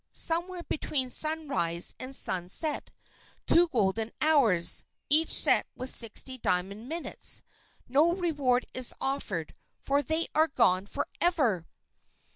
Somewhere between sunrise and sunset, two golden hours, each set with sixty diamond minutes. No reward is offered, for they are gone forever!'"